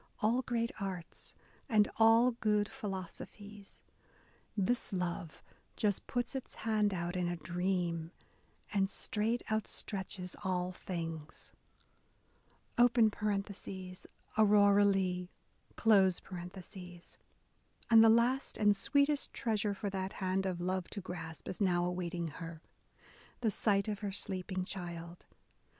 All great arts, and all good philosophies, This love just puts its hand out in a dream And straight outstretches all things. {Aurora Leigh,) And the last and sweetest treasure for that hand of love to grasp, is now awaiting her, — the sight of her sleeping child.